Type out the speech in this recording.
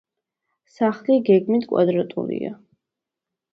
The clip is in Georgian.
სახლი გეგმით კვადრატულია.